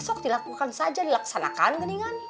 sok dilakukan saja dilaksanakan geningan